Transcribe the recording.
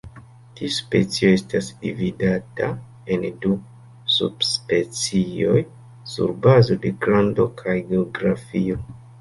Tiu specio estas dividata en du subspecioj sur bazo de grando kaj geografio.